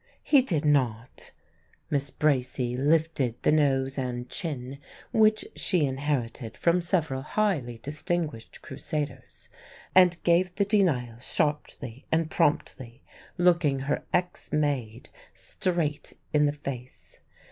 "He did not." Miss Bracy lifted the nose and chin which she inherited from several highly distinguished Crusaders, and gave the denial sharply and promptly, looking her ex maid straight in the face.